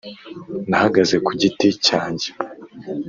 nahagaze ku giti cyanjye,